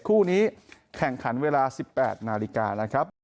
คู่นี้แข่งขันเวลา๑๘นาฬิกานะครับ